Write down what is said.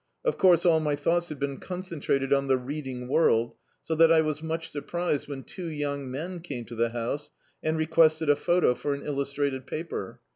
Of course, all my thoughts had been concentrated on the reading world, so that I was much surprised when two young men came to the house and re quested a photo for an illustrated paper.